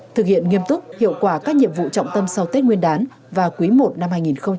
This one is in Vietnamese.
thực hiện nghiêm túc hiệu quả các nhiệm vụ trọng tâm sau tết nguyên đán và quý i năm hai nghìn hai mươi